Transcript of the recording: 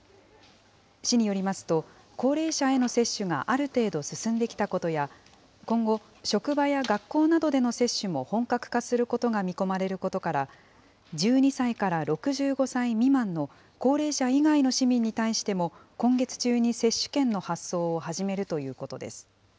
市によりますと、高齢者への接種がある程度進んできたことや、今後、職場や学校などでの接種も本格化することが見込まれることから、１２歳から６５歳未満の高齢者以外の市民に対しても、今月中に接種券の発送を始めるということです。